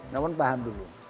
namun paham dulu